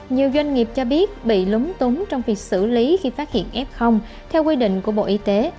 nhiều doanh nghiệp cho biết bị lúng túng trong việc xử lý khi phát hiện f theo quy định của bộ y tế